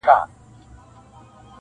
خو ذهنونه زخمي پاتې وي ډېر,